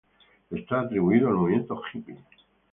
Está atribuido al movimiento hippie.